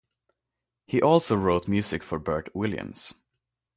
He also wrote music for Bert Williams.